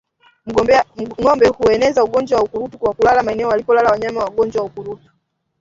Ngombe hueneza ugonjwa wa ukurutu kwa kulala maeneo walipolala wanyama wagonjwa wa ukurutu